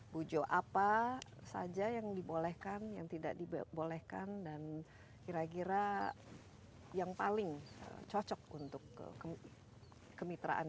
bu jo apa saja yang dibolehkan yang tidak dibolehkan dan kira kira yang paling cocok untuk kemitraan